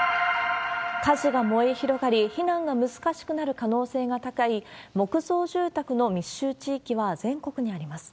火事が燃え広がり、避難が難しくなる可能性が高い、木造住宅の密集地域は全国にあります。